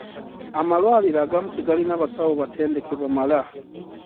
Amalwaliro agamu tegalina basawo batendeke bamala.